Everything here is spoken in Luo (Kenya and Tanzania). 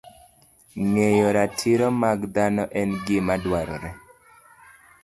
Ng'eyo ratiro mag dhano en gima dwarore